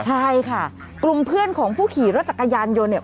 ใช่ค่ะกลุ่มเพื่อนของผู้ขี่รถจักรยานยนต์เนี่ย